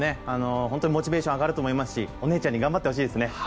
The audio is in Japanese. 本当にモチベーションが上がると思いますしお姉ちゃんに頑張ってほしいですね。